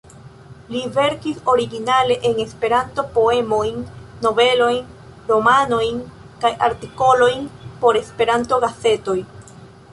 Li verkis originale en Esperanto poemojn, novelojn, romanojn kaj artikolojn por Esperanto-gazetoj.